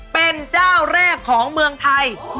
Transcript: เป็นเจ้าแรกของเมืองไทย